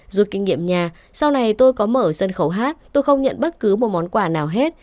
rút kinh nghiệm nhà sau này tôi có mở sân khấu hát tôi không nhận bất cứ một món quà nào hết